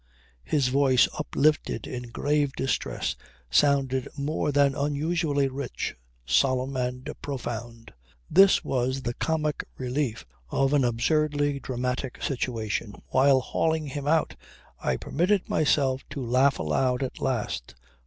His voice uplifted in grave distress sounded more than usually rich, solemn and profound. This was the comic relief of an absurdly dramatic situation. While hauling him out I permitted myself to laugh aloud at last.